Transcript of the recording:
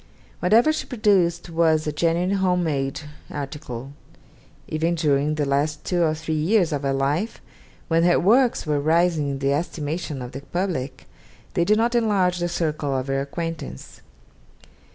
Whatever she produced was a genuine home made article. Even during the last two or three years of her life, when her works were rising in the estimation of the public, they did not enlarge the circle of her acquaintance.